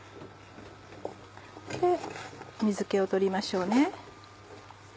水気を取りましょうね。